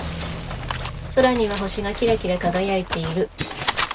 空には星がキラキラ輝いている。